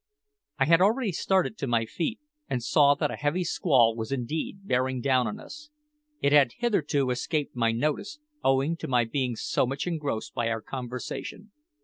I had already started to my feet, and saw that a heavy squall was indeed bearing down on us. It had hitherto escaped my notice, owing to my being so much engrossed by our conversation.